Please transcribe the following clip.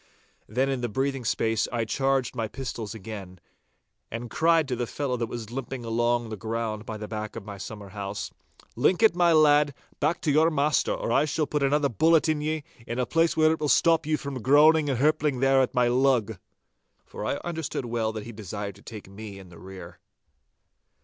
Then in the breathing space I charged my pistols again, and cried to the fellow that was limping along the ground by the back of my summer house,— 'Link it, my lad, back to your master, or I shall put another bullet in ye, in a place where it will stop you from groaning and hirpling there at my lug!' For I understood well that he desired to take me in the rear.